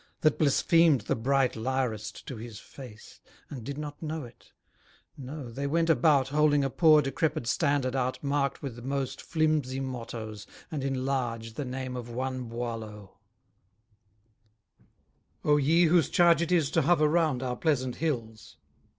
That blasphemed the bright Lyrist to his face, And did not know it, no, they went about, Holding a poor, decrepid standard out Mark'd with most flimsy mottos, and in large The name of one Boileau! O ye whose charge It is to hover round our pleasant hills!